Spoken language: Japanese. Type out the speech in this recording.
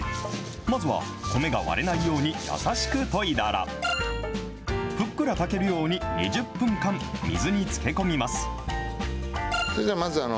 まずは、米が割れないように優しくといだら、ふっくら炊けるように２０分間、水につけ込みます。